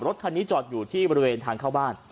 รถคันนี้จอดอยู่ที่บริเวณทางเข้าบ้าน